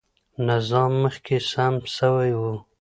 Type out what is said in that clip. نظام مخکې سم سوی و.